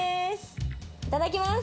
いただきます！